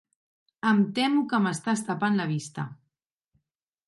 Em temo que m'estàs tapant la vista.